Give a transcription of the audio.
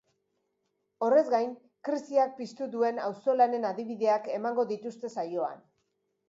Horrez gain, krisiak piztu duen auzolanen adibideak emango dituzte saioan.